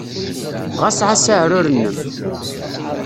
Ɣas ɛass aɛrur-nnem.